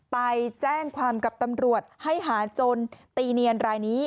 ไปแจ้งความกับตำรวจให้หาจนตีเนียนรายนี้